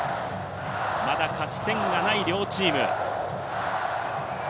まだ勝ち点がない両チーム。